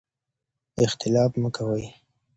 اختلاف مه کوئ.